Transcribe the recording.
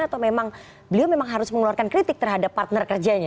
atau memang beliau memang harus mengeluarkan kritik terhadap partner kerjanya